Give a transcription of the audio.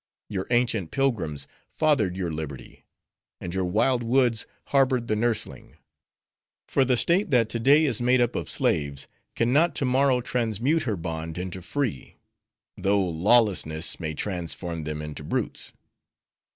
Your ancient pilgrims fathered your liberty; and your wild woods harbored the nursling. For the state that to day is made up of slaves, can not to morrow transmute her bond into free; though lawlessness may transform them into brutes.